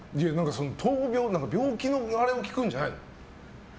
病気のあれを聞くんじゃないの？